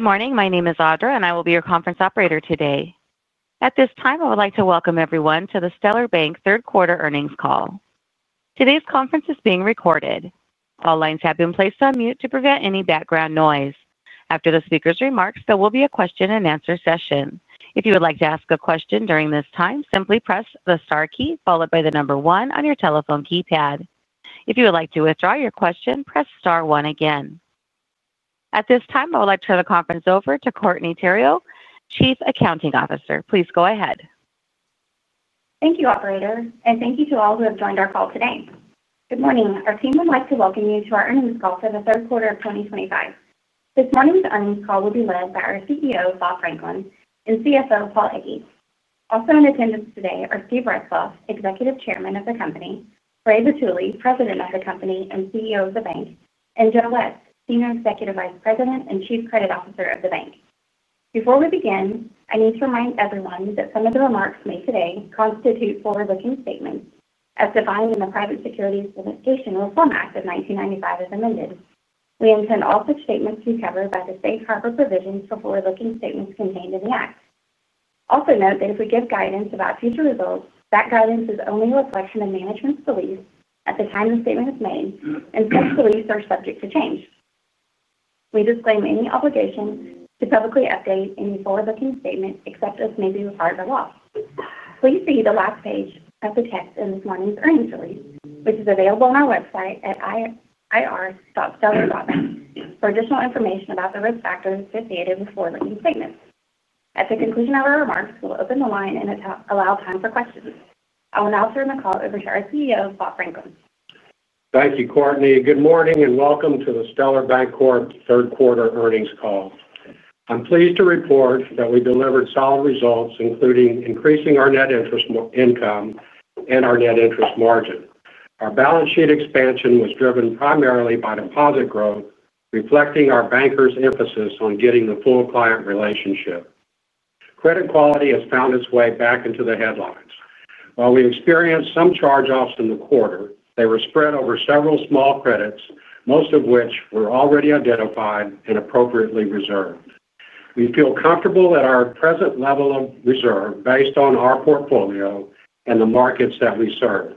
Good morning. My name is Audra, and I will be your conference operator today. At this time, I would like to welcome everyone to the Stellar Bank third quarter earnings call. Today's conference is being recorded. All lines have been placed on mute to prevent any background noise. After the speaker's remarks, there will be a question and answer session. If you would like to ask a question during this time, simply press the star key followed by the number one on your telephone keypad. If you would like to withdraw your question, press star one again. At this time, I would like to turn the conference over to Courtney Theriot, Chief Accounting Officer. Please go ahead. Thank you, Operator. Thank you to all who have joined our call today. Good morning. Our team would like to welcome you to our earnings call for the third quarter of 2025. This morning's earnings call will be led by our CEO, Robert Franklin, and CFO, Paul Egge. Also in attendance today are Steve Retzloff, Executive Chairman of the company, Ray Vitulli, President of the Company and CEO of Bank, and Joe West, Senior Executive Vice President and Chief Credit Officer of Bank. Before we begin, I need to remind everyone that some of the remarks made today constitute forward-looking statements as defined in the Private Securities Litigation Reform Act of 1995 as amended. We intend all such statements to be covered by the safe harbor provisions for forward-looking statements contained in the Act. Also note that if we give guidance about future results, that guidance is only a reflection of management's beliefs at the time the statement is made, and such beliefs are subject to change. We disclaim any obligation to publicly update any forward-looking statement except as may be required by law. Please see the last page of the text in this morning's earnings release, which is available on our website at ir.stellar.bank, for additional information about the risk factors associated with forward-looking statements. At the conclusion of our remarks, we will open the line and allow time for questions. I will now turn the call over to our CEO, Bob Franklin. Thank you, Courtney. Good morning and welcome to the Stellar Bancorp third quarter earnings call. I'm pleased to report that we delivered solid results, including increasing our net interest income and our net interest margin. Our balance sheet expansion was driven primarily by deposit growth, reflecting our bankers' emphasis on getting the full client relationship. Credit quality has found its way back into the headlines. While we experienced some charge-offs in the quarter, they were spread over several small credits, most of which were already identified and appropriately reserved. We feel comfortable at our present level of reserve based on our portfolio and the markets that we serve.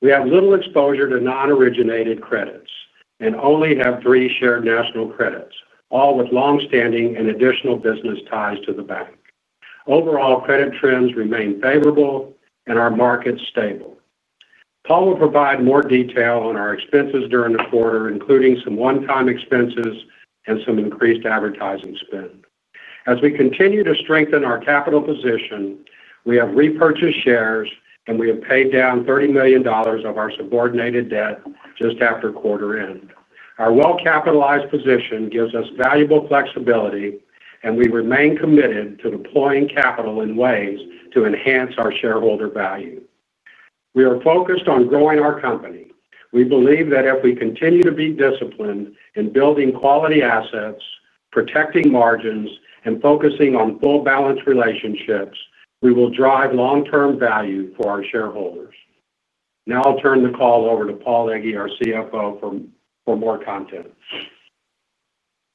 We have little exposure to non-originated credits and only have three shared national credits, all with longstanding and additional business ties to the bank. Overall, credit trends remain favorable and our markets stable. Paul will provide more detail on our expenses during the quarter, including some one-time expenses and some increased advertising spend. As we continue to strengthen our capital position, we have repurchased shares and we have paid down $30 million of our subordinated debt just after quarter end. Our well-capitalized position gives us valuable flexibility, and we remain committed to deploying capital in ways to enhance our shareholder value. We are focused on growing our company. We believe that if we continue to be disciplined in building quality assets, protecting margins, and focusing on full balance relationships, we will drive long-term value for our shareholders. Now I'll turn the call over to Paul Egge, our CFO, for more content.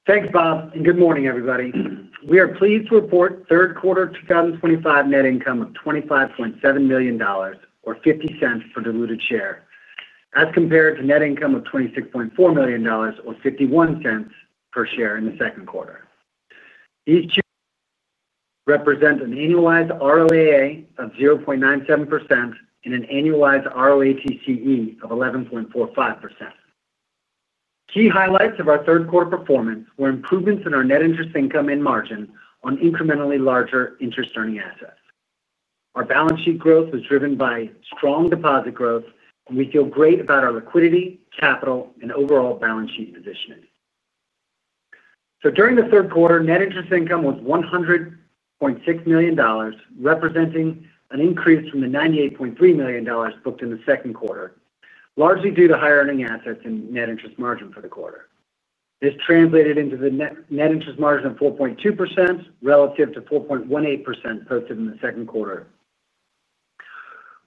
Thanks, Bob, and good morning, everybody. We are pleased to report third quarter 2025 net income of $25.7 million or $0.50 per diluted share, as compared to net income of $26.4 million or $0.51 per diluted share in the second quarter. These represent an annualized ROA of 0.97% and an annualized ROATCE of 11.45%. Key highlights of our third quarter performance were improvements in our net interest income and margin on incrementally larger interest-earning assets. Our balance sheet growth was driven by strong deposit growth, and we feel great about our liquidity, capital, and overall balance sheet positioning. During the third quarter, net interest income was $100.6 million, representing an increase from the $98.3 million booked in the second quarter, largely due to higher earning assets and net interest margin for the quarter. This translated into the net interest margin of 4.2% relative to 4.18% posted in the second quarter.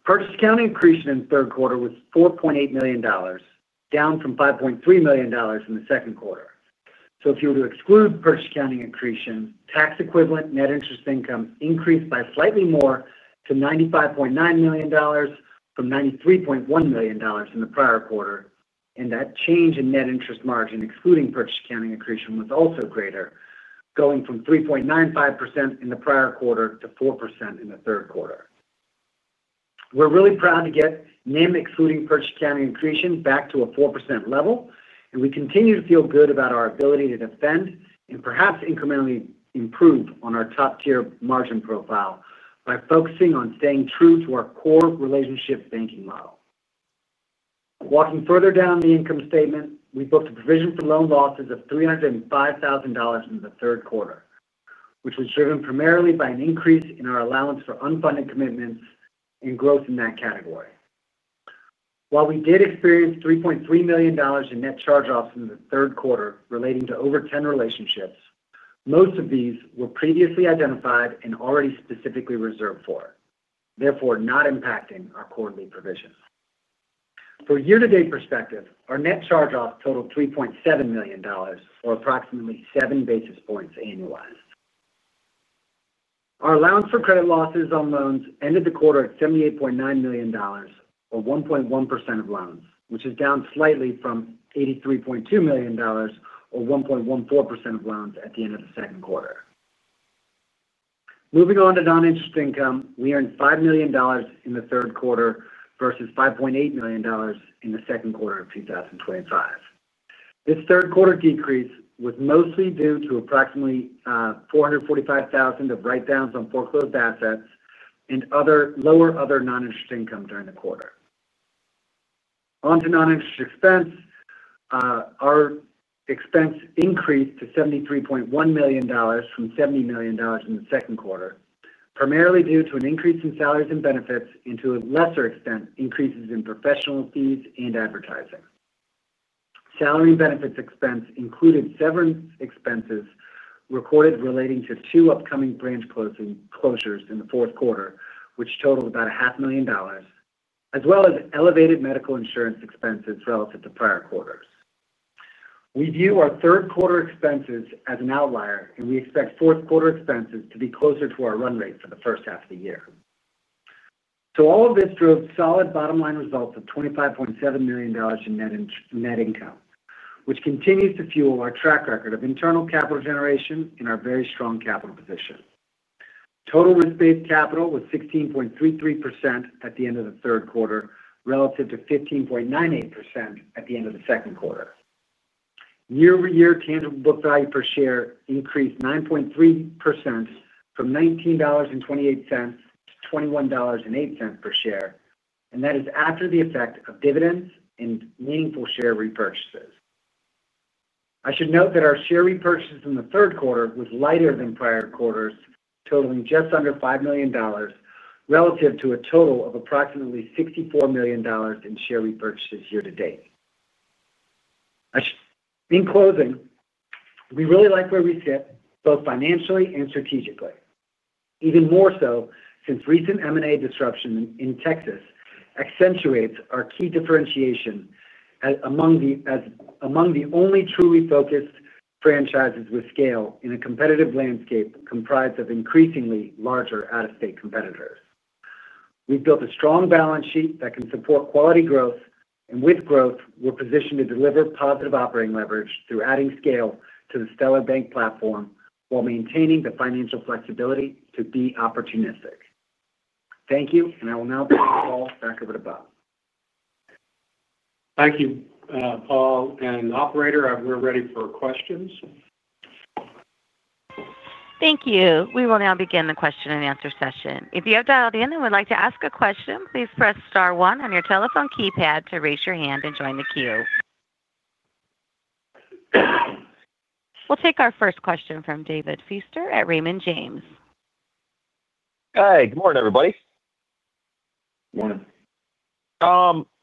Purchase accounting accretion in the third quarter was $4.8 million, down from $5.3 million in the second quarter. If you were to exclude purchase accounting accretion, tax equivalent net interest income increased by slightly more to $95.9 million from $93.1 million in the prior quarter, and that change in net interest margin, excluding purchase accounting accretion, was also greater, going from 3.95% in the prior quarter to 4% in the third quarter. We're really proud to get NIM, excluding purchase accounting accretion, back to a 4% level, and we continue to feel good about our ability to defend and perhaps incrementally improve on our top-tier margin profile by focusing on staying true to our core relationship banking model. Walking further down the income statement, we booked a provision for loan losses of $305,000 in the third quarter, which was driven primarily by an increase in our allowance for unfunded commitments and growth in that category. While we did experience $3.3 million in net charge-offs in the third quarter relating to over 10 relationships, most of these were previously identified and already specifically reserved for, therefore not impacting our quarterly provision. For a year-to-date perspective, our net charge-offs totaled $3.7 million, or approximately 7 basis points annualized. Our allowance for credit losses on loans ended the quarter at $78.9 million, or 1.1% of loans, which is down slightly from $83.2 million, or 1.14% of loans at the end of the second quarter. Moving on to non-interest income, we earned $5 million in the third quarter versus $5.8 million in the second quarter of 2025. This third quarter decrease was mostly due to approximately $445,000 million of write-downs on foreclosed assets and other lower other non-interest income during the quarter. On to non-interest expense, our expense increased to $73.1 million from $70 million in the second quarter, primarily due to an increase in salaries and benefits, and to a lesser extent, increases in professional fees and advertising. Salary and benefits expense included severance expenses recorded relating to two upcoming branch closures in the fourth quarter, which totaled about $0.5 million, as well as elevated medical insurance expenses relative to prior quarters. We view our third quarter expenses as an outlier, and we expect fourth quarter expenses to be closer to our run rate for the first half of the year. All of this drove solid bottom-line results of $25.7 million in net income, which continues to fuel our track record of internal capital generation and our very strong capital position. Total risk-based capital was 16.33% at the end of the third quarter, relative to 15.98% at the end of the second quarter. Year-over-year tangible book value per share increased 9.3% from $19.28 to $21.08 per share, and that is after the effect of dividends and meaningful share repurchases. I should note that our share repurchases in the third quarter were lighter than prior quarters, totaling just under $5 million, relative to a total of approximately $64 million in share repurchases year to date. In closing, we really like where we sit, both financially and strategically, even more so since recent M&A disruption in Texas accentuates our key differentiation as among the only truly focused franchises with scale in a competitive landscape comprised of increasingly larger out-of-state competitors. We have built a strong balance sheet that can support quality growth, and with growth, we are positioned to deliver positive operating leverage through adding scale to the Stellar Bank platform while maintaining the financial flexibility to be opportunistic. Thank you, and I will now turn the call back over to Bob. Thank you, Paul and Operator. We're ready for questions. Thank you. We will now begin the question and answer session. If you have dialed in and would like to ask a question, please press star one on your telephone keypad to raise your hand and join the queue. We'll take our first question from David Feaster at Raymond James. Hey, good morning, everybody. Morning.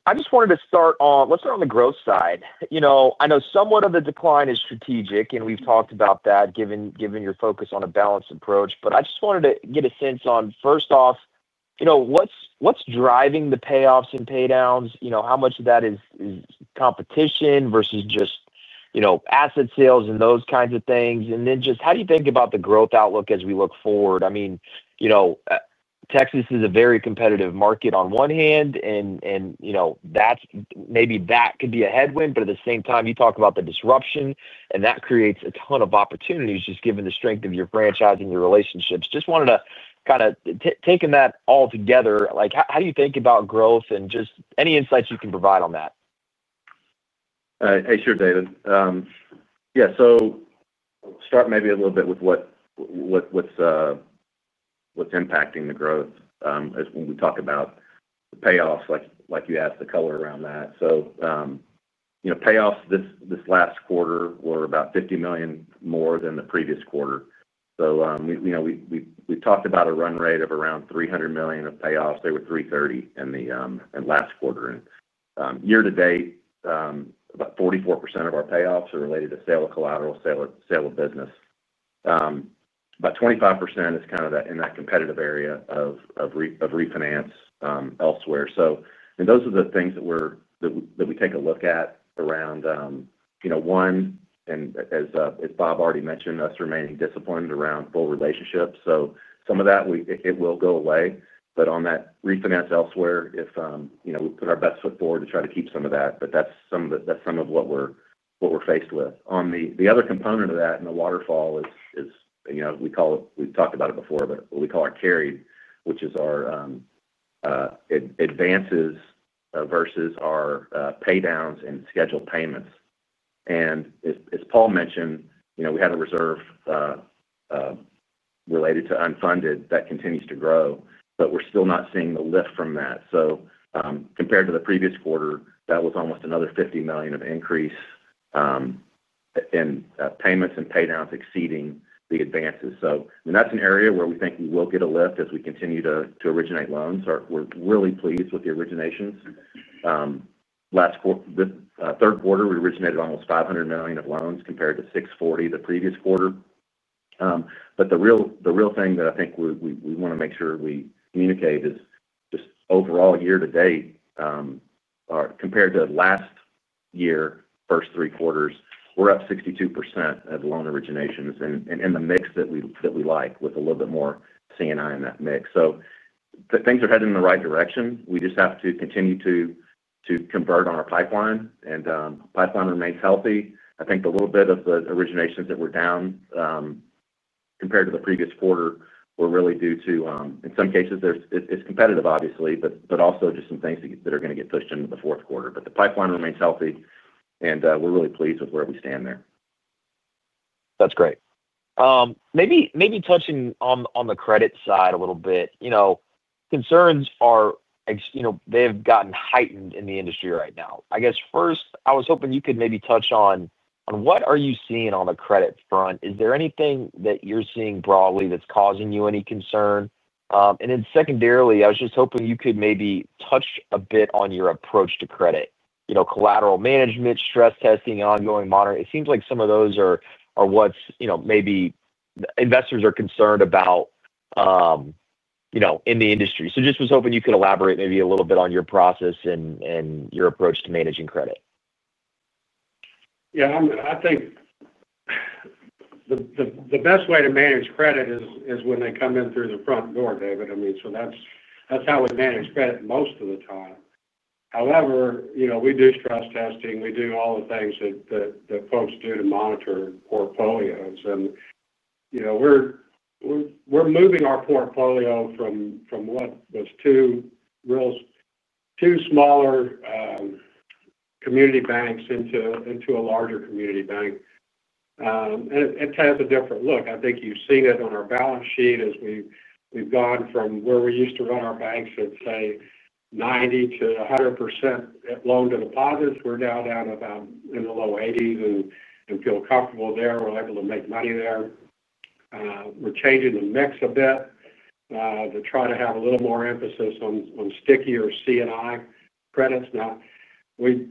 I just wanted to start on, let's start on the growth side. I know somewhat of the decline is strategic, and we've talked about that, given your focus on a balanced approach, but I just wanted to get a sense on, first off, what's driving the payoffs and paydowns? How much of that is competition versus just asset sales and those kinds of things? How do you think about the growth outlook as we look forward? I mean, Texas is a very competitive market on one hand, and that's maybe that could be a headwind, but at the same time, you talk about the disruption, and that creates a ton of opportunities just given the strength of your franchise and your relationships. Just wanted to kind of take in that all together. How do you think about growth and just any insights you can provide on that? Yeah sure David. Yeah, so I'll start maybe a little bit with what's impacting the growth when we talk about the payoffs, like you asked, the color around that. Payoffs this last quarter were about $50 million more than the previous quarter. We've talked about a run rate of around $300 million of payoffs. They were $330 million in the last quarter. Year to date, about 44% of our payoffs are related to sale of collateral, sale of business. About 25% is in that competitive area of refinance elsewhere. Those are the things that we take a look at around, you know, one, and as Bob already mentioned, us remaining disciplined around full relationships. Some of that will go away. On that refinance elsewhere, we put our best foot forward to try to keep some of that, but that's some of what we're faced with. On the other component of that, and the waterfall is, we've talked about it before, but we call it carried, which is our advances versus our paydowns and scheduled payments. As Paul mentioned, we have a reserve related to unfunded that continues to grow, but we're still not seeing the lift from that. Compared to the previous quarter, that was almost another $50 million of increase in payments and paydowns exceeding the advances. That's an area where we think we will get a lift as we continue to originate loans. We're really pleased with the originations. Last third quarter, we originated almost $500 million of loans compared to $640 million the previous quarter. The real thing that I think we want to make sure we communicate is just overall year to date, compared to last year's first three quarters, we're up 62% of loan originations and in the mix that we like with a little bit more C&I in that mix. Things are heading in the right direction. We just have to continue to convert on our pipeline, and the pipeline remains healthy. I think the little bit of the originations that were down compared to the previous quarter were really due to, in some cases, it's competitive, obviously, but also just some things that are going to get pushed into the fourth quarter. The pipeline remains healthy, and we're really pleased with where we stand there. That's great. Maybe touching on the credit side a little bit, concerns are, they've gotten heightened in the industry right now. I guess first, I was hoping you could maybe touch on what are you seeing on the credit front? Is there anything that you're seeing broadly that's causing you any concern? Secondarily, I was just hoping you could maybe touch a bit on your approach to credit, collateral management, stress testing, ongoing monitoring. It seems like some of those are what investors are concerned about in the industry. I was hoping you could elaborate maybe a little bit on your process and your approach to managing credit. Yeah, I think the best way to manage credit is when they come in through the front door, David. I mean, that's how we manage credit most of the time. However, we do stress testing. We do all the things that folks do to monitor portfolios. We're moving our portfolio from what was two smaller community banks into a larger community bank, and it has a different look. I think you've seen it on our balance sheet as we've gone from where we used to run our banks at, say, 90%-100% loan to deposits. We're now down about in the low 80% and feel comfortable there. We're able to make money there. We're changing the mix a bit to try to have a little more emphasis on stickier C&I credits. We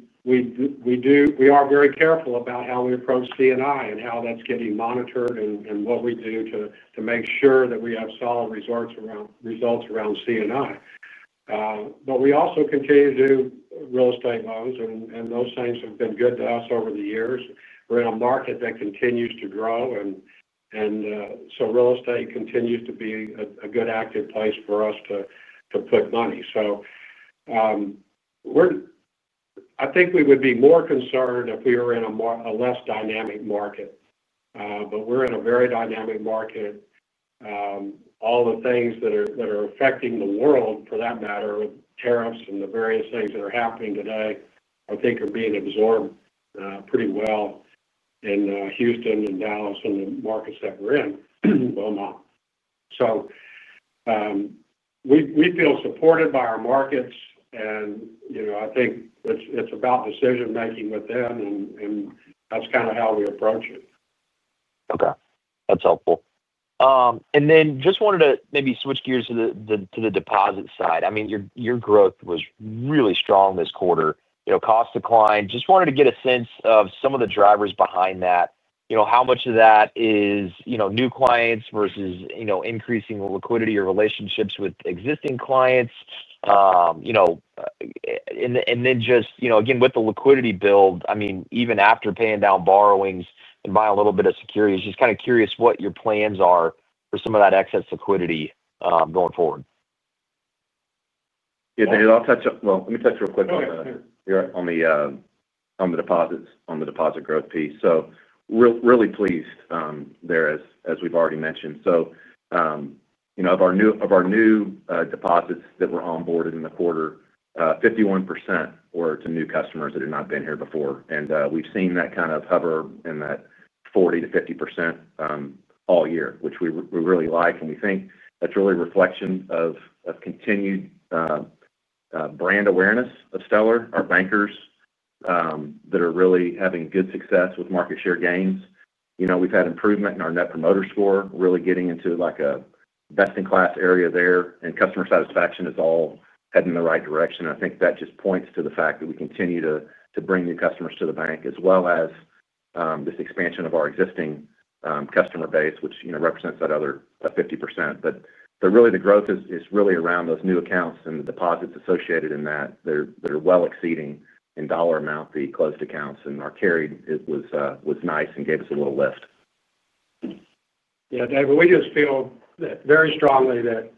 are very careful about how we approach C&I and how that's getting monitored and what we do to make sure that we have solid results around C&I. We also continue to do real estate loans, and those things have been good to us over the years. We're in a market that continues to grow, and real estate continues to be a good active place for us to put money. I think we would be more concerned if we were in a less dynamic market. We're in a very dynamic market. All the things that are affecting the world, for that matter, with tariffs and the various things that are happening today, I think are being absorbed pretty well in Houston and Dallas and the markets that we're in, Wilmot. We feel supported by our markets, and I think it's about decision-making with them, and that's kind of how we approach it. Okay. That's helpful. I just wanted to maybe switch gears to the deposit side. I mean, your growth was really strong this quarter. Cost decline. I just wanted to get a sense of some of the drivers behind that. How much of that is new clients versus increasing the liquidity or relationships with existing clients? With the liquidity build, even after paying down borrowings and buying a little bit of securities, I'm just kind of curious what your plans are for some of that excess liquidity going forward. Yeah, David, I'll touch on, let me touch real quick on the deposits, on the deposit growth piece. Really pleased there, as we've already mentioned. Of our new deposits that were onboarded in the quarter, 51% were to new customers that have not been here before. We've seen that kind of hover in that 40%-50% all year, which we really like. We think that's really a reflection of continued brand awareness of Stellar, our bankers that are really having good success with market share gains. We've had improvement in our net promoter score, really getting into like a best-in-class area there, and customer satisfaction is all heading in the right direction. I think that just points to the fact that we continue to bring new customers to the bank, as well as this expansion of our existing customer base, which represents that other 50%. Really, the growth is really around those new accounts and the deposits associated in that that are well exceeding in dollar amount the closed accounts. Our carried was nice and gave us a little lift. Yeah, David, we just feel very strongly that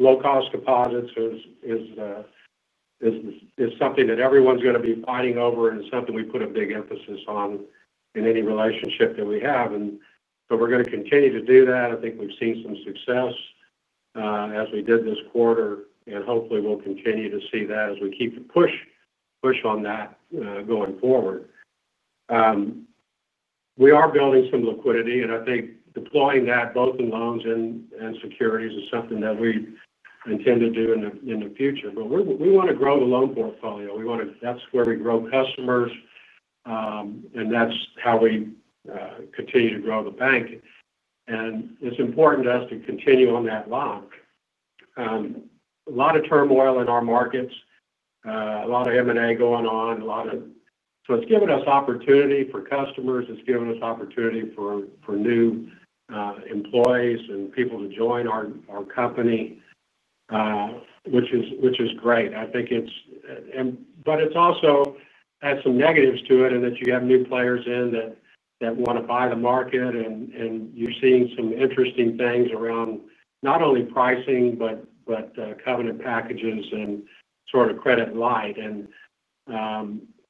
low-cost deposits is something that everyone's going to be fighting over and something we put a big emphasis on in any relationship that we have. We're going to continue to do that. I think we've seen some success as we did this quarter, and hopefully, we'll continue to see that as we keep the push on that going forward. We are building some liquidity, and I think deploying that both in loans and securities is something that we intend to do in the future. We want to grow the loan portfolio. We want to, that's where we grow customers, and that's how we continue to grow the bank. It's important to us to continue on that line. A lot of turmoil in our markets, a lot of M&A going on, so it's given us opportunity for customers. It's given us opportunity for new employees and people to join our company, which is great. I think it's also had some negatives to it in that you have new players in that want to buy the market, and you're seeing some interesting things around not only pricing, but covenant packages and sort of credit light.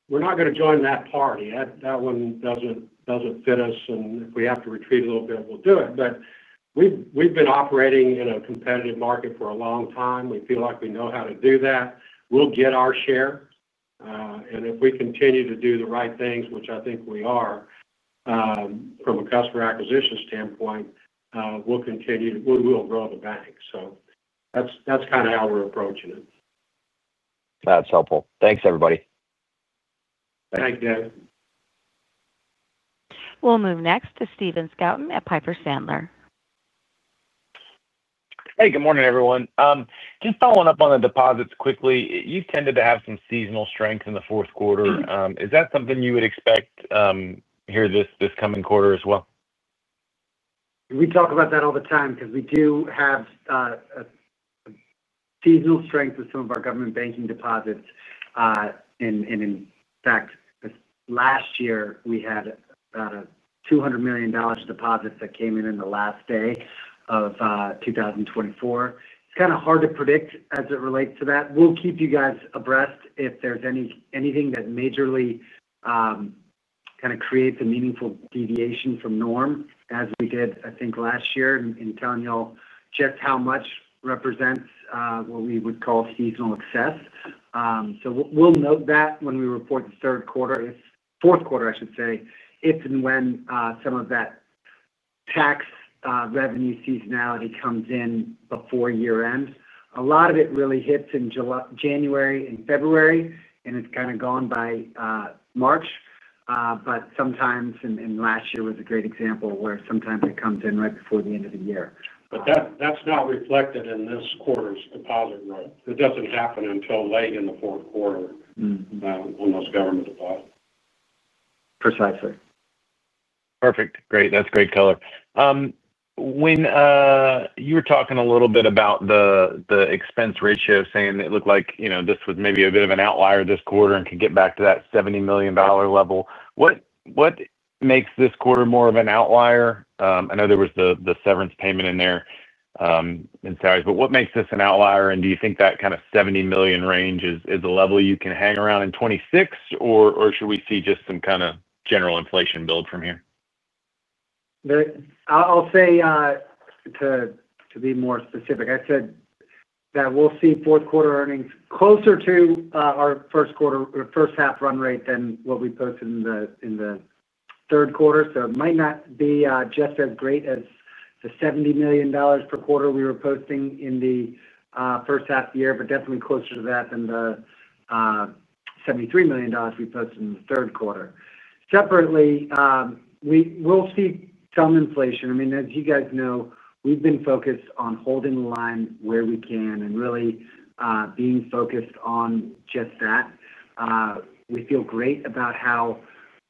We're not going to join that party. That one doesn't fit us. If we have to retreat a little bit, we'll do it. We've been operating in a competitive market for a long time. We feel like we know how to do that. We'll get our share. If we continue to do the right things, which I think we are from a customer acquisition standpoint, we'll continue to, we'll grow the bank. That's kind of how we're approaching it. That's helpful. Thanks, everybody. Thanks, David. We'll move next to Stephen Scouten at Piper Sandler. Hey, good morning, everyone. Just following up on the deposits quickly, you've tended to have some seasonal strength in the fourth quarter. Is that something you would expect here this coming quarter as well? We talk about that all the time because we do have a seasonal strength with some of our government banking deposits. In fact, this last year, we had about a $200 million deposit that came in on the last day of 2024. It's kind of hard to predict as it relates to that. We'll keep you guys abreast if there's anything that majorly kind of creates a meaningful deviation from norm, as we did, I think, last year in telling y'all just how much represents what we would call seasonal excess. We'll note that when we report the third quarter, fourth quarter, I should say, if and when some of that tax revenue seasonality comes in before year end. A lot of it really hits in January and February, and it's kind of gone by March. Sometimes, and last year was a great example, sometimes it comes in right before the end of the year. That is not reflected in this quarter's deposit growth. It doesn't happen until late in the fourth quarter on those government deposits. Precisely. Perfect. Great. That's great color. When you were talking a little bit about the expense ratio, saying it looked like you know this was maybe a bit of an outlier this quarter and could get back to that $70 million level, what makes this quarter more of an outlier? I know there was the severance payment in there and salaries, what makes this an outlier? Do you think that kind of $70 million range is a level you can hang around in 2026, or should we see just some kind of general inflation build from here? I'll say to be more specific, I said that we'll see fourth quarter earnings closer to our first quarter or first half run rate than what we posted in the third quarter. It might not be just as great as the $70 million per quarter we were posting in the first half of the year, but definitely closer to that than the $73 million we posted in the third quarter. Separately, we will see some inflation. As you guys know, we've been focused on holding the line where we can and really being focused on just that. We feel great about how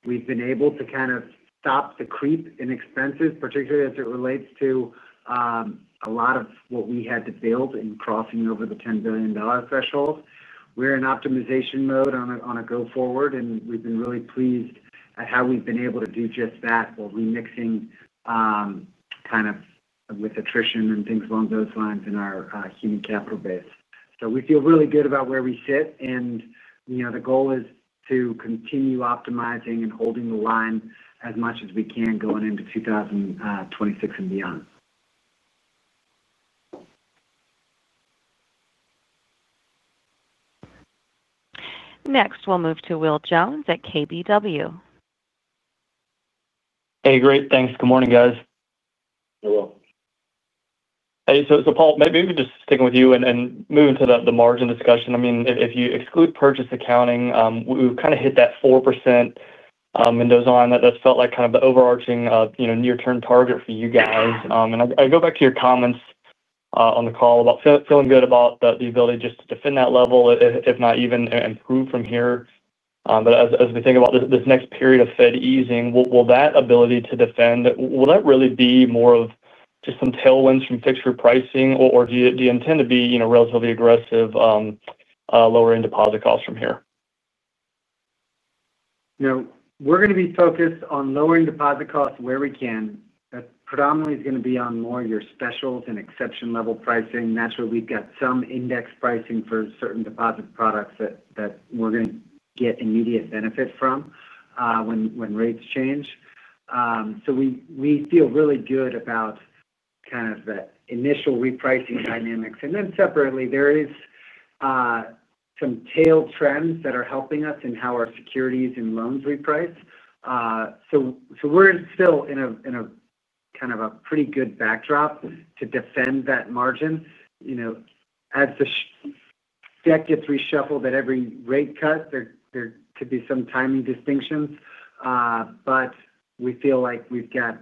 we've been able to kind of stop the creep in expenses, particularly as it relates to a lot of what we had to build in crossing over the $10 billion threshold. We're in optimization mode on a go-forward, and we've been really pleased at how we've been able to do just that while remixing kind of with attrition and things along those lines in our human capital base. We feel really good about where we sit, and you know the goal is to continue optimizing and holding the line as much as we can going into 2026 and beyond. Next, we'll move to Will Jones at KBW. Hey, great. Thanks. Good morning, guys. You're welcome. Hey, so Paul, maybe we could just stick with you and move into the margin discussion. I mean, if you exclude purchase accounting, we've kind of hit that 4%, and that felt like kind of the overarching near-term target for you guys. I go back to your comments on the call about feeling good about the ability just to defend that level, if not even improve from here. As we think about this next period of Fed easing, will that ability to defend, will that really be more of just some tailwinds from fixed-through pricing, or do you intend to be relatively aggressive lowering deposit costs from here? You know, we're going to be focused on lowering deposit costs where we can. That's predominantly going to be on more of your specials and exception-level pricing. Naturally, we've got some index pricing for certain deposit products that we're going to get immediate benefit from when rates change. We feel really good about kind of the initial repricing dynamics. Separately, there are some tail trends that are helping us in how our securities and loans reprice. We're still in a kind of a pretty good backdrop to defend that margin. As the deck gets reshuffled at every rate cut, there could be some timing distinctions. We feel like we've got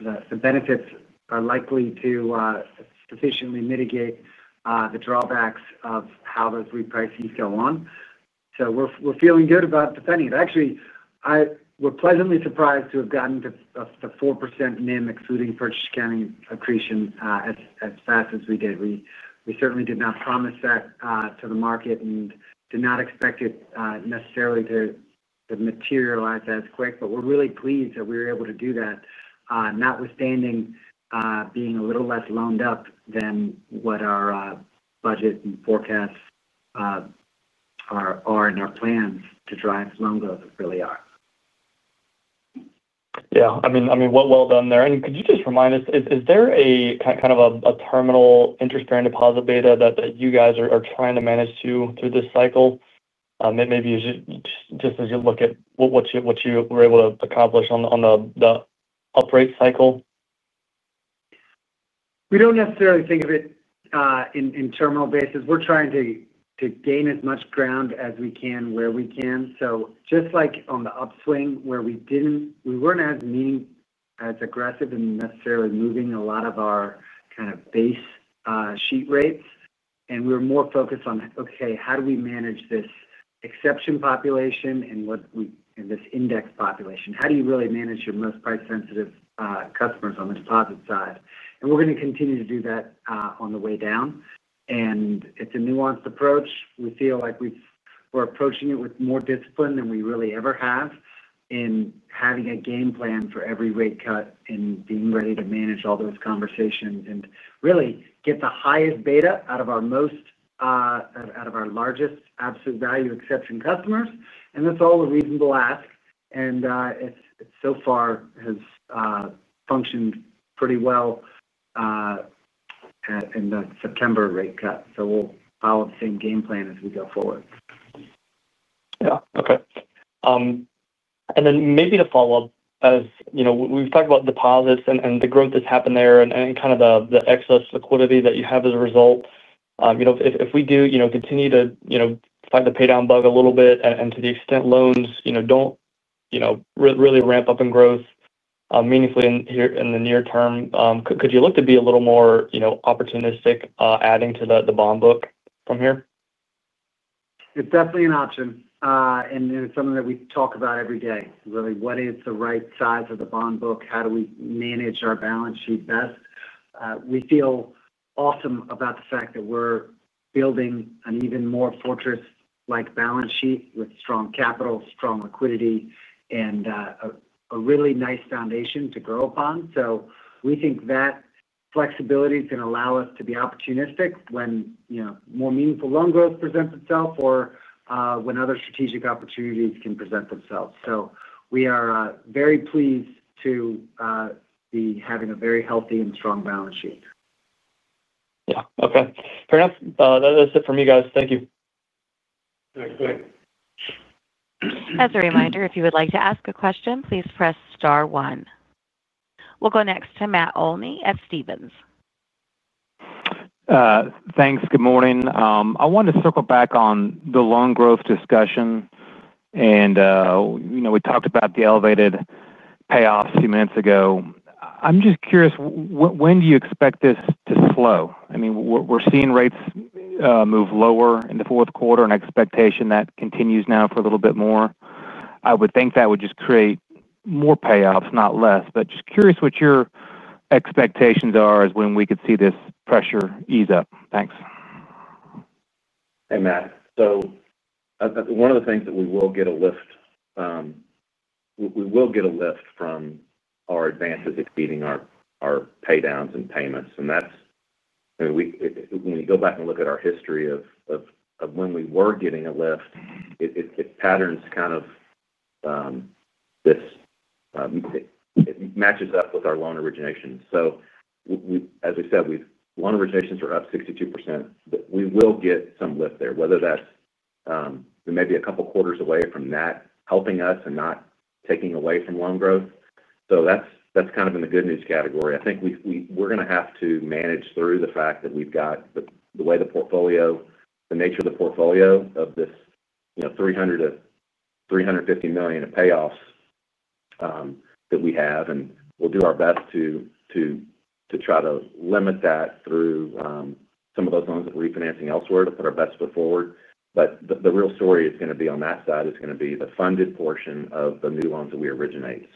the benefits are likely to sufficiently mitigate the drawbacks of how those reprices go on. We're feeling good about defending it. Actually, we're pleasantly surprised to have gotten to the 4% net interest margin, excluding purchase accounting accretion, as fast as we did. We certainly did not promise that to the market and did not expect it necessarily to materialize as quick, but we're really pleased that we were able to do that, notwithstanding being a little less loaned up than what our budget and forecasts are and our plans to drive loan growth really are. Yeah. What well done there. Could you just remind us, is there a kind of a terminal interest bearing deposit beta that you guys are trying to manage through this cycle? Maybe just as you look at what you were able to accomplish on the up-rate cycle? We don't necessarily think of it in terminal basis. We're trying to gain as much ground as we can where we can. Just like on the upswing where we didn't, we weren't as aggressive in necessarily moving a lot of our kind of base sheet rates, we're more focused on, okay, how do we manage this exception population and what we in this index population? How do you really manage your most price-sensitive customers on the deposit side? We're going to continue to do that on the way down. It's a nuanced approach. We feel like we're approaching it with more discipline than we really ever have in having a game plan for every rate cut and being ready to manage all those conversations and really get the highest beta out of our largest absolute value exception customers. That's all a reasonable ask. It so far has functioned pretty well in the September rate cut. We'll follow the same game plan as we go forward. Okay. Maybe to follow up, as you know, we've talked about deposits and the growth that's happened there and kind of the excess liquidity that you have as a result. If we do continue to fight the paydown bug a little bit and to the extent loans don't really ramp up in growth meaningfully in the near term, could you look to be a little more opportunistic, adding to the bond book from here? It's definitely an option, and it's something that we talk about every day. Really, what is the right size of the bond book? How do we manage our balance sheet best? We feel awesome about the fact that we're building an even more fortress-like balance sheet with strong capital, strong liquidity, and a really nice foundation to grow upon. We think that flexibility is going to allow us to be opportunistic when more meaningful loan growth presents itself or when other strategic opportunities can present themselves. We are very pleased to be having a very healthy and strong balance sheet. Yeah. Okay. Fair enough. That's it from me, guys. Thank you. All right. Great. As a reminder, if you would like to ask a question, please press star one. We'll go next to Matt Olney at Stephens. Thanks. Good morning. I wanted to circle back on the loan growth discussion. We talked about the elevated payoffs a few minutes ago. I'm just curious, when do you expect this to slow? I mean, we're seeing rates move lower in the fourth quarter and expectation that continues now for a little bit more. I would think that would just create more payoffs, not less. Just curious what your expectations are as when we could see this pressure ease up. Thanks. Hey, Matt. One of the things that we will get a lift from is our advances exceeding our paydowns and payments. When you go back and look at our history of when we were getting a lift, it patterns, kind of, this matches up with our loan origination. As we said, loan originations are up 62%. We will get some lift there, whether that's, we may be a couple of quarters away from that helping us and not taking away from loan growth. That's kind of in the good news category. I think we're going to have to manage through the fact that we've got the way the portfolio, the nature of the portfolio of this, you know, $300 million-$350 million of payoffs that we have. We'll do our best to try to limit that through some of those loans that we're refinancing elsewhere to put our best foot forward. The real story is going to be on that side. It's going to be the funded portion of the new loans that we originate.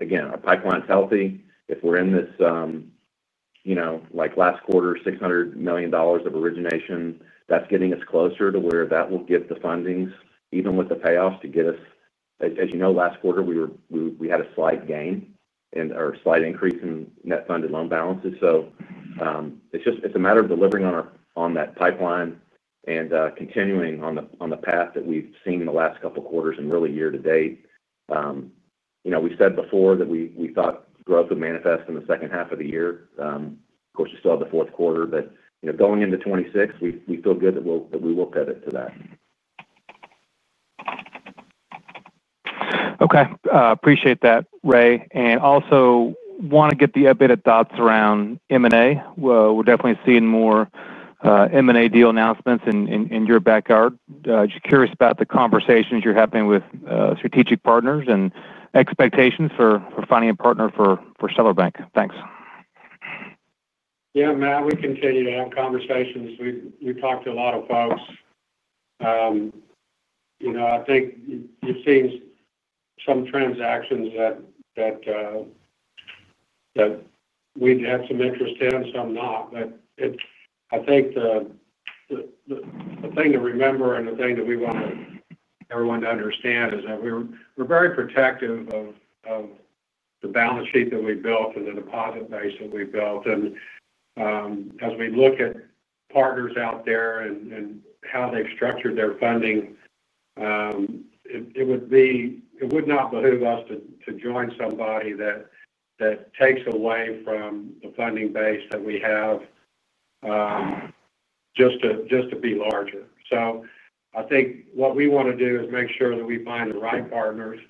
Again, our pipeline's healthy. If we're in this, like last quarter, $600 million of origination, that's getting us closer to where that will give the fundings, even with the payoffs, to get us. As you know, last quarter, we had a slight gain and or slight increase in net funded loan balances. It's just a matter of delivering on that pipeline and continuing on the path that we've seen in the last couple of quarters and really year to date. We said before that we thought growth would manifest in the second half of the year. Of course, we still have the fourth quarter, but going into 2026, we feel good that we will pivot to that. Okay. Appreciate that, Ray. I also want to get the updated thoughts around M&A. We're definitely seeing more M&A deal announcements in your backyard. Just curious about the conversations you're having with strategic partners and expectations for finding a partner for Stellar Bank. Thanks. Yeah, Matt. We continue to have conversations. We talk to a lot of folks. I think you've seen some transactions that we'd have some interest in and some not. The thing to remember and the thing that we want everyone to understand is that we're very protective of the balance sheet that we built and the deposit base that we built. As we look at partners out there and how they've structured their funding, it would not behoove us to join somebody that takes away from the funding base that we have just to be larger. What we want to do is make sure that we find the right partners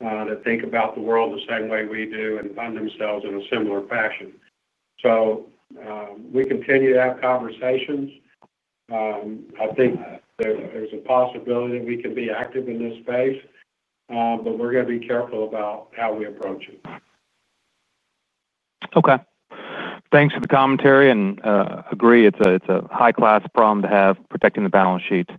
that think about the world the same way we do and fund themselves in a similar fashion. We continue to have conversations. I think there's a possibility that we can be active in this space, but we're going to be careful about how we approach it. Okay. Thanks for the commentary and agree. It's a high-class problem to have protecting the balance sheet.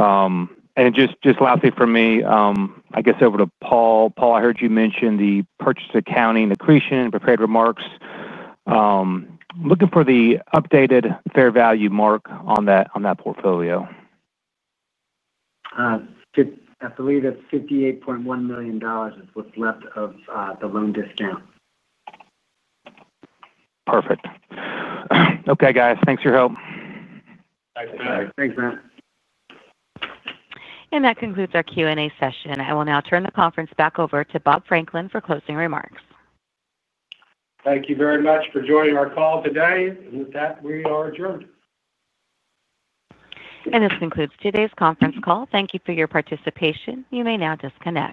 Lastly for me, I guess over to Paul. Paul, I heard you mention the purchase accounting accretion in prepared remarks. I'm looking for the updated fair value mark on that portfolio. I believe it's $58.1 million is what's left of the loan discount. Perfect. Okay, guys, thanks for your help. Thanks, man. That concludes our Q&A session. I will now turn the conference back over to Bob Franklin for closing remarks. Thank you very much for joining our call today. With that, we are adjourned. This concludes today's conference call. Thank you for your participation. You may now disconnect.